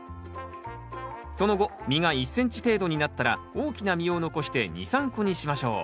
その後実が１ｃｍ程度になったら大きな実を残して２３個にしましょう。